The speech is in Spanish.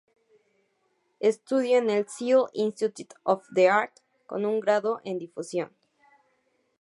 Estudió en el "Seoul Institute of the Arts" con un grado en difusión.